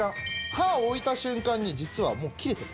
刃置いた瞬間に実はもう切れてる。